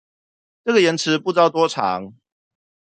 這個延遲不知道多長